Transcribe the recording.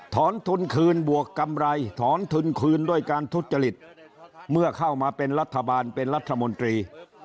ถอนทุนคืนบวกกำไรถอนทุนคืนด้วยการทุจริตเมื่อเข้ามาเป็นรัฐบาลเป็นรัฐมนตรี